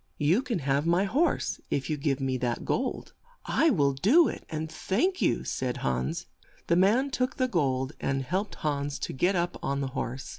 You can have my horse if you give me that gold." "I will do it, and thank you," said Hans. The man took the gold, and helped Hans to get up on the horse.